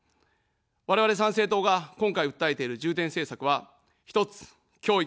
我々、参政党が今回訴えている重点政策は、１つ、教育。